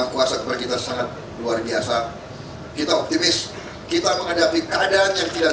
kuasa kepada kita sangat luar biasa kita optimis kita menghadapi keadaan yang tidak